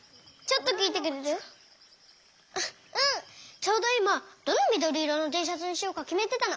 ちょうどいまどのみどりいろのティーシャツにしようかきめてたの。